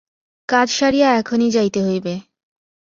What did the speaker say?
কাজ সারিয়া এখনি যাইতে হইবে!